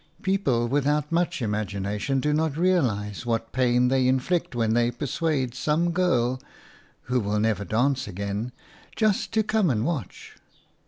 People without much imagination do not realise what pain they inflict when they persuade some girl who will never dance again "just to come and watch."